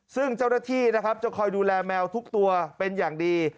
ซึ่งเจ้าหน้าที่นะครับจะคอยดูแลแมวทุกตัวเป็นอย่างดี